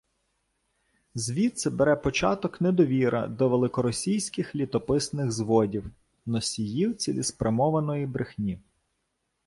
Звідси бере початок недовіра до «великоросійських літописних зводів» – носіїв цілеспрямованої брехні